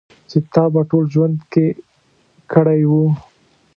چې تا په ټول ژوند کې کړی و.